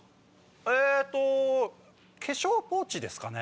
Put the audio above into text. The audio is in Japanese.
えっと化粧ポーチですかね。